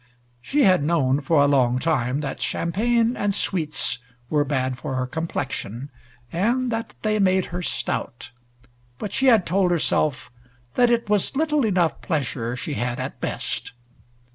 She had known for a long time that champagne and sweets were bad for her complexion, and that they made her stout, but she had told herself that it was little enough pleasure she had at best.